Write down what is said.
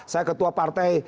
saya ketua partai